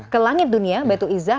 ke langit dunia baitul izzah